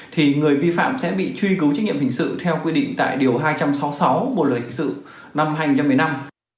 thì người vi phạm sẽ bị truy cứu trách nhiệm hình sự theo quy định tại điều hai trăm sáu mươi sáu bộ luật hình sự năm hai nghìn một mươi năm